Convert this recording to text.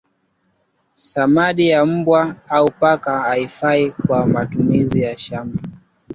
samadi ya mbwa au paka haifai kwa matumizi ya shamba